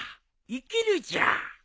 「生きる」じゃ。